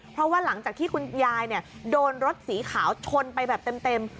เพราะว่าหลังจากที่คุณยายโดนรถสีขาวชนไปแบบเต็ม